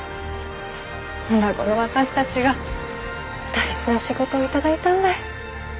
おなごの私たちが大事な仕事を頂いたんだい。